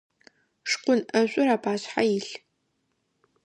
Шкъун ӏэшӏур апашъхьэ илъ.